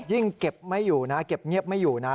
ยิ่งเก็บไม่อยู่นะเก็บเงียบไม่อยู่นะ